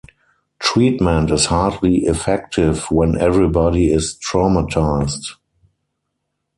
Treatment is hardly effective when everybody is traumatized.